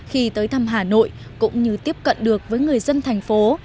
khi tới thăm hà nội cũng như tiếp cận được với người dân thành phố